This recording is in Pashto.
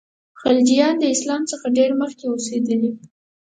خلجیان د اسلام څخه ډېر مخکي اوسېدلي.